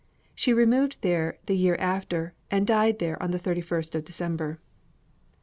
She removed there the year after, and died there on the 31st of December.